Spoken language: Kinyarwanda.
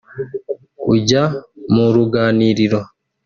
ujya mu ruganiriro